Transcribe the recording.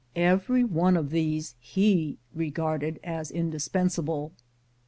Every one of these he regarded as indispensable.